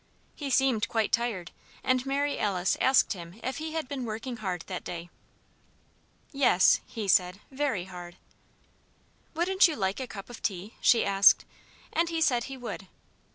He seemed quite tired, and Mary Alice asked him if he had been working hard that day. "Yes," he said, "very hard." "Wouldn't you like a cup of tea?" she asked. And he said he would.